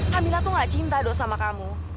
amina tuh gak cinta dong sama kamu